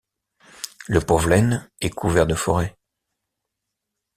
Le Povlen est couvert de forêts.